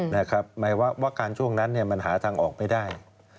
หมายความว่าการช่วงนั้นมันหาทางออกไม่ได้